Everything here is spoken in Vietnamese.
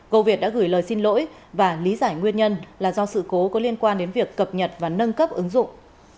cô việt đã gửi lời xin lỗi và lý giải nguyên nhân là do sự cố có liên quan đến việc cập nhật và nâng cấp ứng dụng